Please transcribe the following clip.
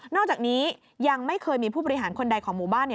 อกจากนี้ยังไม่เคยมีผู้บริหารคนใดของหมู่บ้าน